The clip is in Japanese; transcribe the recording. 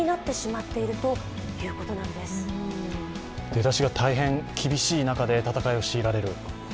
出だしが大変厳しい中で戦いを強いられる。